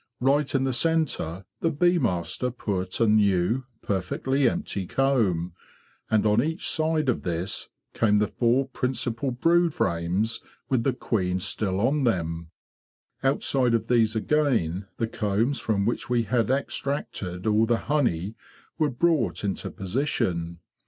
Right in the centre the bee master put a new, perfectly empty comb, and on each side of this came the four principal brood frames with the queen still on them. Outside of these again the combs from which we had extracted all the honey were brought into position.